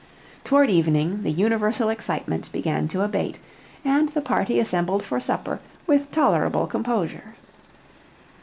Toward evening the universal excitement began to abate, and the party assembled for supper with tolerable composure.